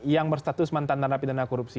yang berstatus mantan narapi dana korupsi